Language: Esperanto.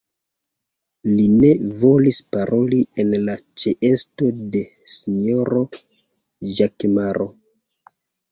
Li ne volis paroli en la ĉeesto de sinjoro Ĵakemaro.